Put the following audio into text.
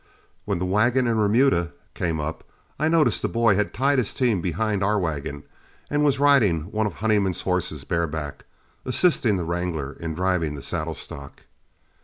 When the wagon and remuda came up, I noticed the boy had tied his team behind our wagon, and was riding one of Honeyman's horses bareback, assisting the wrangler in driving the saddle stock.